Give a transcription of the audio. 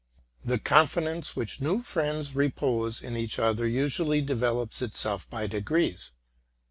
The confidence which new friends repose in each other usually develops itself by degrees.